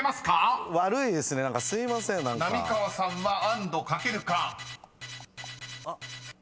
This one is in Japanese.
［浪川さんは「アンド」書けるか？］